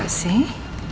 ada gak sih